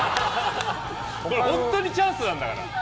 本当にチャンスなんだから。